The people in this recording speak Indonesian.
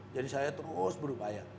jadi saya terus berupaya